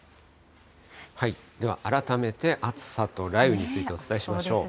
では改めて暑さと雷雨についてお伝えしましょう。